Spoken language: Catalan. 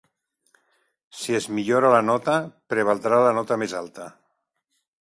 Si es millora la nota, prevaldrà la nota més alta.